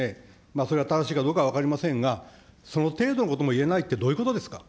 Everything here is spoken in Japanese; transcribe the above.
それは正しいかどうかは分かりませんが、その程度のことも言えないって、どういうことですか。